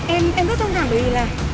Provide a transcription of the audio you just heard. em rất thông thẳng bởi vì là